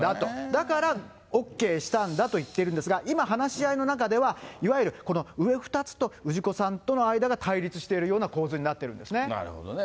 だから、ＯＫしたんだと言っているんですが、今、話し合いの中では、いわゆる上２つと氏子さんとの間が対立しているような構図になっなるほどね。